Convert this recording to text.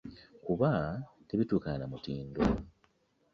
Kuba tebituukana na mutindo.